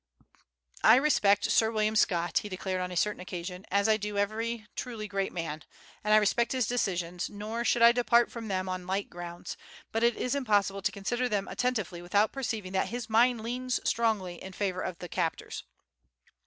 "I respect Sir William Scott," he declared on a certain occasion, "as I do every truly great man; and I respect his decisions; nor should I depart from them on light grounds; but it is impossible to consider them attentively without perceiving that his mind leans strongly in favor of the captors."